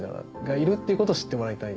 いるってことを知ってもらいたい。